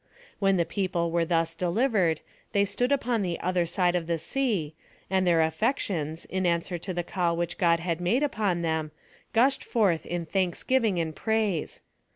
When the people were thus delivered, they stood upon the other side of the sea, and their affections, in answer to the call which God had made upon them, gushed forth in thanksgiving and praise.